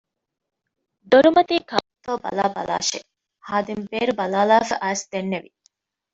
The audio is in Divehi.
ދޮރުމަތީކާކުތޯ ބަލައިބަލާށެވެ! ޚާދިމު ބޭރުބަލައިލައިފައި އައިސް ދެންނެވި